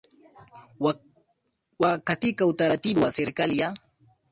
wa katika utaratibu wa serikali ya